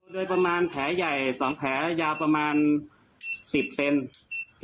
โดยประมาณแผลใหญ่๒แผลยาวประมาณ๑๐เซน